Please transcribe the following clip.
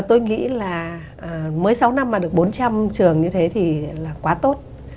tôi nghĩ là mới sáu năm mà được bốn trăm linh trường như thế thì là quá tốt